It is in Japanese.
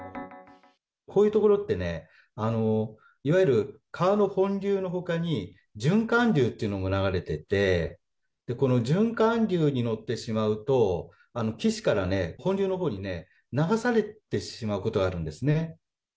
こういう所ってね、いわゆる川の本流のほかに、循環流というのが流れてて、この循環流に乗ってしまうと、岸から本流のほうに流されてしまうことがあるんですね。